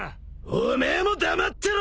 お前も黙ってろ！